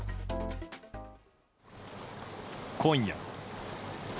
今夜。